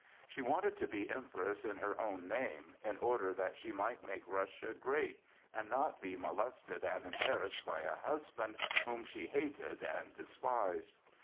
She wanted to be Empress in her own name, in order that she might make Russia great and not be molested and embarrassed by a husband whom she hated and despised.